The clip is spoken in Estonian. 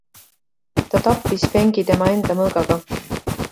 Ta tappis Fengi tema enda mõõgaga.